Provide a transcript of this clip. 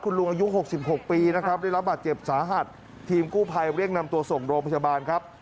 คุณลุงอายุ๖๖ปีได้รับบาดเจ็บสาหัสทีมกู้ภัยเรียกนำตัวส่งโรงพยาบาล